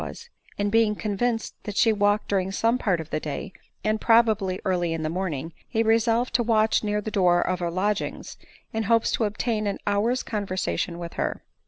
was ; and being convinced that she walked during L some part of the day, and probably early in the morning, he resolved to watch near the door of her lodgings, in hopes to obtain an hour's conversation with her.